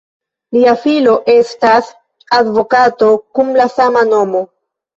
Lia filo estas advokato kun la sama nomo.